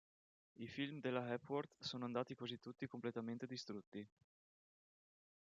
I film della Hepworth sono andati quasi tutti completamente distrutti.